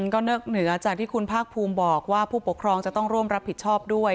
ก็นอกเหนือจากที่คุณภาคภูมิบอกว่าผู้ปกครองจะต้องร่วมรับผิดชอบด้วย